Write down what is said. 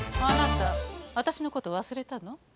あなた私のこと忘れたの？